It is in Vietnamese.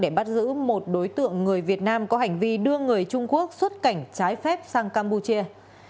để bắt giữ một đối tượng người việt nam có hành vi đưa người trung quốc xuất cảnh trái phép sang campuchia